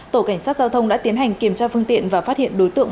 tổ cảnh sát giao thông đã tiến hành kiểm tra phương tiện và phát hiện đối tượng